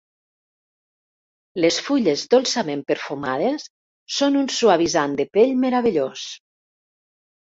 Les fulles dolçament perfumades són un suavitzant de pell meravellós.